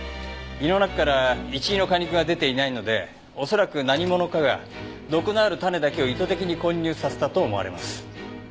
胃の中からイチイの果肉が出ていないので恐らく何者かが毒のある種だけを意図的に混入させたと思われます。